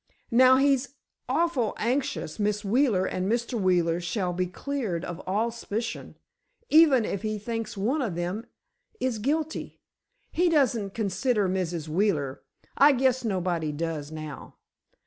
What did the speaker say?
Now, he's awful anxious Miss Wheeler and Mr. Wheeler shall be cleared of all s'picion—even if he thinks one of 'em is guilty. He doesn't consider Mrs. Wheeler—I guess nobody does now."